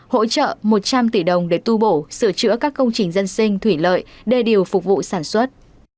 hỗ trợ một trăm linh tỷ đồng để tu bổ sửa chữa các công trình dân sinh thủy lợi đê điều phục vụ sản xuất